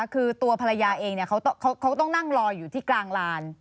คือตัวภรรยาเองเนี่ยเขาต้องเขาต้องนั่งรออยู่ที่กลางราน